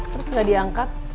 terus dia diangkat